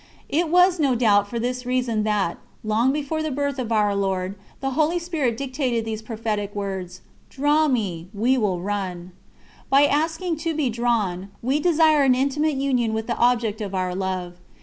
It was no doubt for this reason that, long before the birth of Our Lord, the Holy Spirit dictated these prophetic words: "Draw me we will run!" By asking to be drawn, we desire an intimate union with the object of our love.